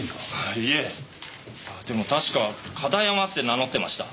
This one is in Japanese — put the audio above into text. いえでも確かカタヤマって名乗ってました。